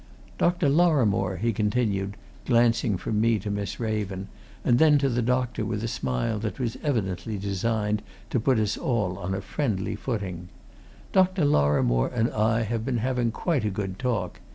"Dr. Lorrimore," he continued, glancing from me to Miss Raven and then to the doctor with a smile that was evidently designed to put us all on a friendly footing, "Dr. Lorrimore and I have been having quite a good talk.